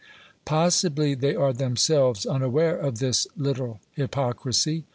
Possibly they are themselves unaware of this little hypocrisy.